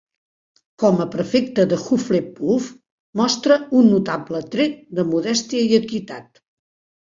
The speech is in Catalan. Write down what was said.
Com a prefecte de Hufflepuff, mostra un notable tret de modèstia i equitat.